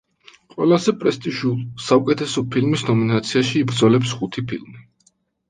ყველაზე პრესტიჟულ, საუკეთესო ფილმის ნომინაციაში იბრძოლებს ხუთი ფილმი.